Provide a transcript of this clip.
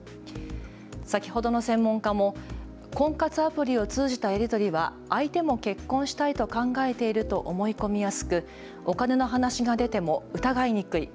先ほどの専門家も婚活アプリを通じたやり取りは相手も結婚したいと考えていると思い込みやすくお金の話が出ても疑いにくい。